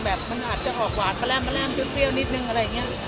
แบบมันอาจจะออกหวานแปลงเปรี้ยวนิดนึงอะไรอย่างนี้